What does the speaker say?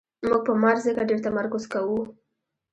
موږ په مار ځکه ډېر تمرکز کوو.